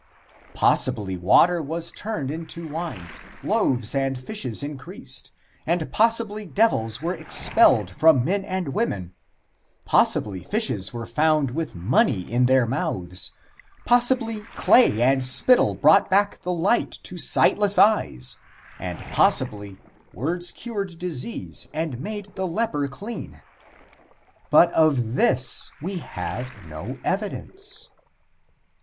Possibly water was turned into wine, loaves and fishes increased, and possibly devils were expelled from men and women; possibly fishes were found with money in their mouths; possibly clay and spittle brought back the light to sightless eyes, and possibly words cured disease and made the leper clean, but of this we have no evidence.